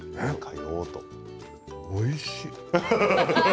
おいしい。